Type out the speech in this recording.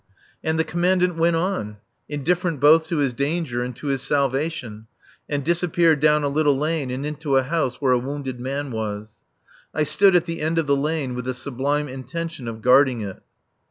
And the Commandant went on, indifferent both to his danger and to his salvation, and disappeared down a little lane and into a house where a wounded man was. I stood at the end of the lane with the sublime intention of guarding it.